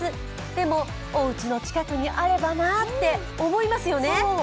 でも、おうちの近くにあればなって思いますよね。